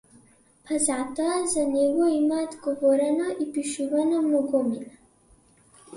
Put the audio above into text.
Па затоа за него имаат говорено и пишувано многумина.